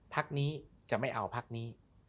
พักนี้จะไม่เอาพักนี้